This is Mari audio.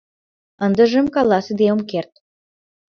Ындыжым каласыде ом керт...